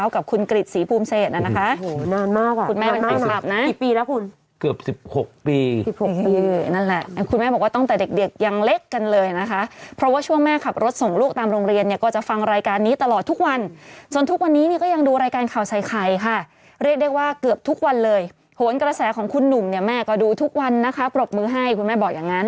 คุณหนุ่มเนี่ยแม่ก็ดูทุกวันนะคะปรบมือให้คุณแม่บอกอย่างนั้น